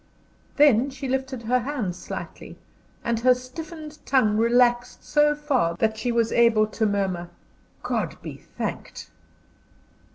Then she lifted her hands slightly, and her stiffened tongue relaxed so far that she was able to murmur: "God be thanked!"